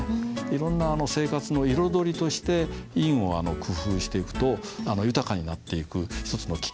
いろんな生活の彩りとして印を工夫していくと豊かになっていく一つのきっかけにもなります。